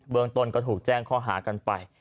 เมืองต้นก็ถูกแจ้งข้อหากันไป